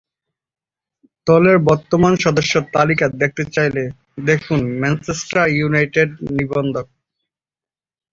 দলের বর্তমান সদস্যদের তালিকা দেখতে চাইলে দেখুন, ম্যানচেস্টার ইউনাইটেড নিবন্ধ।